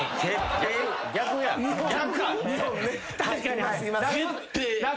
確かに。